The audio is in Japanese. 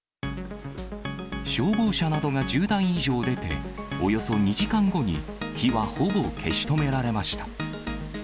消防車などが１０台以上出て、およそ２時間後に火はほぼ消し止められました。